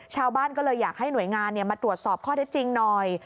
ชาวบ้านก็เลยอยากให้หน่วยงานมาตรวจสอบข้อได้จริงหน่อย